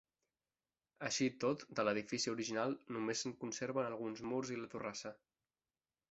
Així i tot, de l'edifici original només se'n conserven alguns murs i la torrassa.